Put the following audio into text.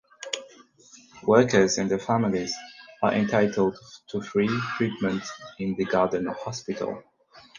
Workers and their families are entitled to free treatment in the garden hospital.